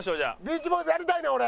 『ビーチボーイズ』やりたいねん俺！